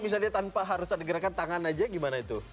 tapi kalau bisa tanpa harus ada gerakan tangan aja gimana itu